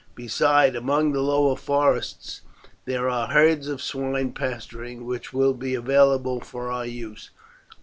Besides, among the lower forests there are herds of swine pasturing, which will be available for our use.